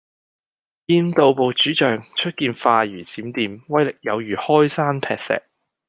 劍道部主將，出劍快如閃電，威力有如開山闢石